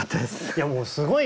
いやもうすごいな。